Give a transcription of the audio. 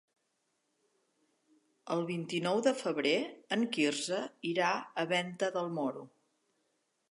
El vint-i-nou de febrer en Quirze irà a Venta del Moro.